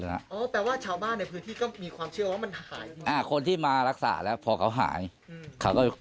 อ๋อแปลว่าชาวบ้านในพื้นที่ก็มีความเชื่อว่ามันหายดีอ่าคนที่มารักษาแล้วพอเขาหายเขาก็